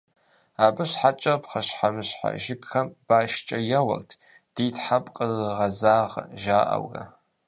Абы щхьэкӀэ пхъэщхьэмыщхьэ жыгхэм башкӀэ еуэрт: «Ди тхьэ, пкъырыгъэзагъэ», - жаӀэурэ.